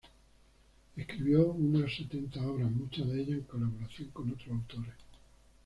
Escribió unas setenta obras, muchas de ellas en colaboración con otros autores.